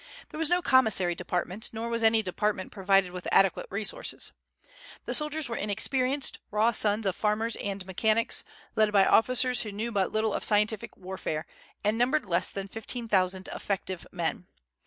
There was no commissary department, nor was any department provided with adequate resources. The soldiers were inexperienced, raw sons of farmers and mechanics, led by officers who knew but little of scientific warfare, and numbered less than fifteen thousand effective men.